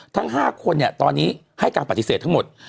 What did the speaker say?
ทั้ง๕คนตอนนี้ให้การปฏิเสธทั้งหมด